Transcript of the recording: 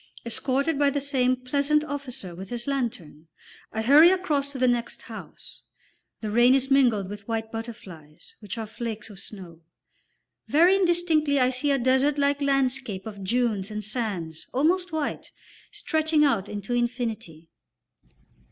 Escorted by the same pleasant officer with his lantern, I hurry across to the next house. The rain is mingled with white butterflies, which are flakes of snow. Very indistinctly I see a desert like landscape of dunes and sands almost white, stretching out into infinity.